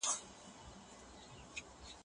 که کار په سمه توګه ترسره سي پایله یې ښه وي.